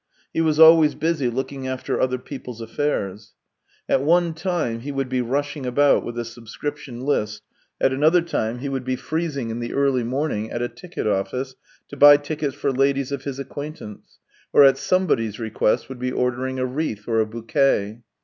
He was always busy looking after other people's affairs. At one time he would be rushing about with a subscription list ; at another time he would be freezing in the early morning at a ticket office to buy tickets for ladies of his acquaintance, or at somebody's request would be ordering a wreath or a bouquet.